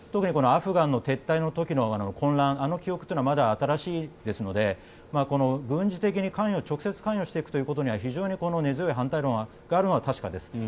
アフガン撤退時の混乱あの記憶というのはまだ新しいですので軍事的に直接関与していくというのに非常に根強い反対論があるのは確かです。